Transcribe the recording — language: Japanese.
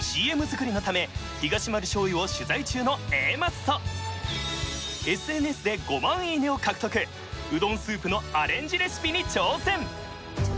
ＣＭ作りのためヒガシマル醤油を取材中のＡマッソＳＮＳで５万いいねを獲得うどんスープのアレンジレシピに挑戦そうですね